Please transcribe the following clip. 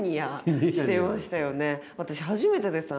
私初めてです